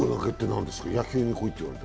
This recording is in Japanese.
野球に来いって言われた？